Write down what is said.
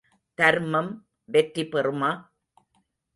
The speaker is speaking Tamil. தர்மம் வெற்றி பெறுமா?